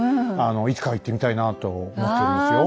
いつかは行ってみたいなと思っておりますよ。